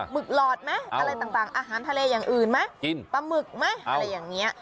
ึกหลอดไหมอะไรต่างอาหารทะเลอย่างอื่นไหมกินปลาหมึกไหมอะไรอย่างนี้